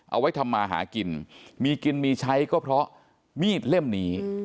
เอาไว้ทำมาหากินมีกินมีใช้ก็เพราะมีดเล่มนี้